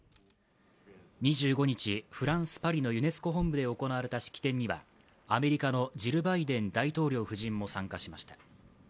２５日、フランス・パリのユネスコ本部で行われた式典にはアメリカのジル・バイデン大統領夫人も参加しました。